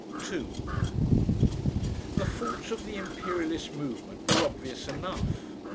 2 The faults of the Imperialist movement were obvious enough.